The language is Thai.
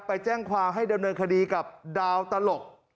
ไปแจ้งความให้ดำเนินคดีกับดาวตลก